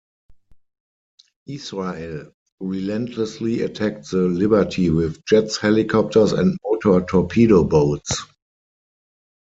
Israel relentlessly attacked the "Liberty" with jets, helicopters, and motor torpedo boats.